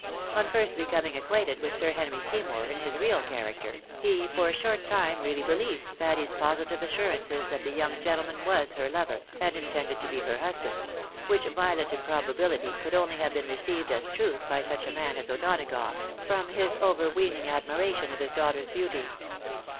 On first becoming acquainted with Sir Henry Sey mour in his real character, he for a short time really believed w 2 356 THE WIDOW MAKRIED. Patty's positive assurances that the young gentleman was her lover, and intended to be her husband ; whioh violent impro bability could only have been received as truth by such a man as O'Donagough, from his overweening admiration of his daughter's beauty.